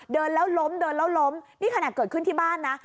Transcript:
เดินแล้วล้มเดินแล้วล้มนี่ขนาดเกิดขึ้นที่บ้านนะ